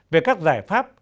về các giải pháp